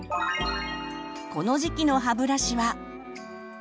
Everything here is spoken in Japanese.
この時期の歯ブラシは。